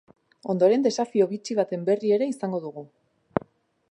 Ondoren, desafio bitxi baten berri ere izango dugu.